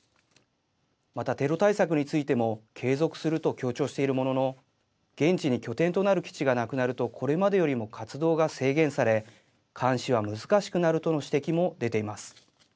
またテロ対策についても継続すると強調しているものの現地に拠点となる基地がなくなるとこれまでよりも活動が制限され監視は難しくなるとの指摘も出ています。